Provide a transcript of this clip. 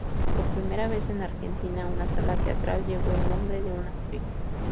Por primera vez en Argentina una sala teatral llevó el nombre de una actriz.